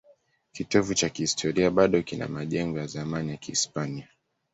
Kitovu cha kihistoria bado kina majengo ya zamani ya Kihispania.